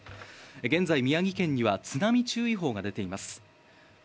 現在、宮城県には津波注意報が出ています。